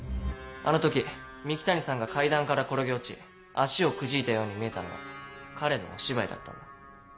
あの時三鬼谷さんが階段から転げ落ち足をくじいたように見えたのは彼のお芝居だったんだ。